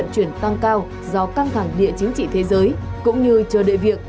các vận chuyển tăng cao do căng thẳng địa chính trị thế giới cũng như chờ đợi việc